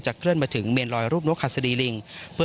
จะเกลื่อนมาถึงเหมียนลอยรูปหน้าขัดศรีลิ่ง